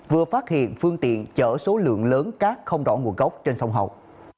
vừa phát hiện phương tiện chở số lượng lớn cát không rõ nguồn gốc trên sông hậu